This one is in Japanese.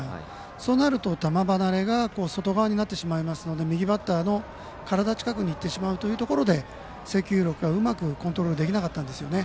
そうなると球離れが外側になってしまいますので右バッターの体近くにいってしまうというところで、制球力がコントロールできなかったんですよね。